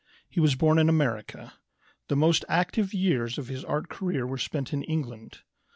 He was born in America. The most active years of his art career were spent in England.